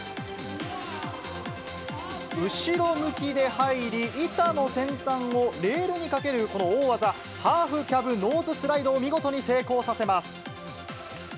後ろ向きで入り、板の先端をレールにかけるこの大技、ハーフキャブノーズスライドを見事に成功させます。